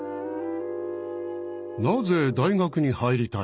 なぜ大学に入りたいの？